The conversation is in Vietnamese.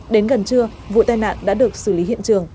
đến gần trưa vụ tai nạn đã được xử lý hiện trường